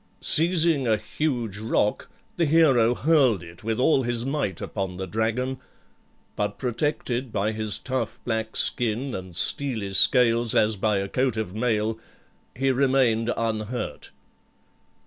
Seizing a huge rock, the hero hurled it with all his might upon the dragon; but protected by his tough black skin and steely scales as by a coat of mail, he remained unhurt.